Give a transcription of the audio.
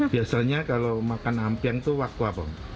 biasanya kalau makan ampiang itu waktu apa